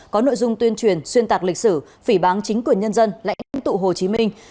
có nội dung tuyên truyền xuyên tạc lịch sử phỉ bán chính quyền nhân dân lãnh tụ hồ chí minh